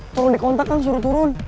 turun di kontak kan suruh turun